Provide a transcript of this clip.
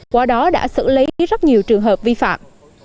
qua đó đã xử lý rất nhiều trường hợp vi phạm